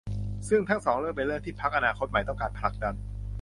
ซึ่งทั้งสองเรื่องเป็นเรื่องที่พรรคอนาคตใหม่ต้องการผลักดัน